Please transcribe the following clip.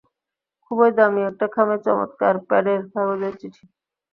খুবই দামী একটা খামে চমৎকার প্যাডের কাগজে চিঠি।